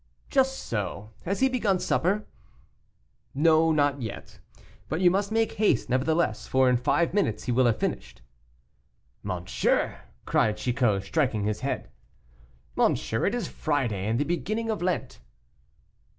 "Just so; has he begun supper?" "No, not yet; but you must make haste nevertheless, for in five minutes he will have finished." "Monsieur!" cried Chicot, striking his head. "Monsieur, it is Friday, and the beginning of Lent."